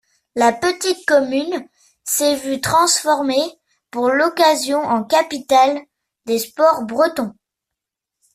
La petite commune s'est vue transformée pour l'occasion en capitale des Sports Bretons.